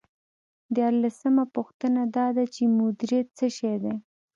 دیارلسمه پوښتنه دا ده چې مدیریت څه شی دی.